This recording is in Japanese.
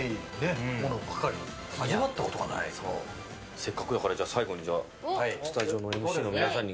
せっかくだから最後にスタジオの皆さんに。